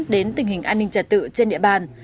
đến tình hình an ninh trật tự trên địa bàn